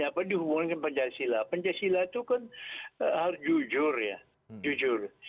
apa dihubungkan pancasila pancasila itu kan harus jujur ya jujur